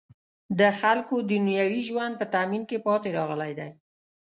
د خلکو دنیوي ژوند په تأمین کې پاتې راغلی دی.